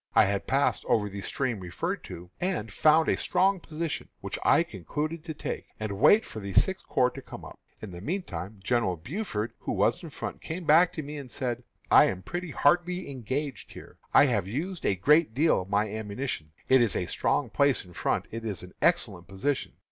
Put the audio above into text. I had passed over the stream referred to, and found a strong position, which I concluded to take, and wait for the Sixth Corps to come up. In the meantime General Buford, who was in front, came back to me, and said, 'I am pretty hardly engaged here; I have used a great deal of my ammunition; it is a strong place in front; it is an excellent position.'